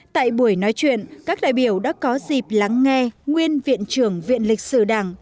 tại buổi nói chuyện các đại biểu đã có dịp lắng nghe nguyên viện trưởng viện lịch sử đảng